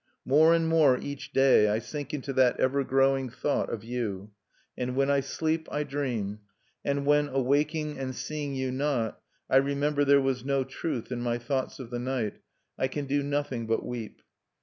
More and more each day I sink into that ever growing thought of you; and when I sleep I dream; and when, awaking and seeing you not, I remember there was no truth in my thoughts of the night, I can do nothing but weep.